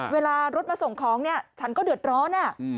เวลารถมาส่งของเนี่ยฉันก็เดือดร้อน